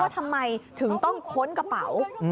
ทำไมถึงต้องค้นกระเป๋า